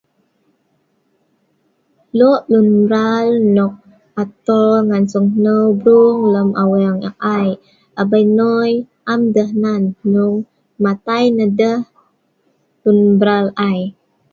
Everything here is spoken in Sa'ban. Lok lun mrar nok atol ngan sungneu bruung lem Aweng ek ai tabei nnoi am deh nan hnong Matai nah deh, lun mrar ai